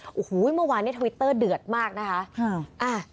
โอ้โหเมื่อวานในทวิตเตอร์เดือดมากนะคะ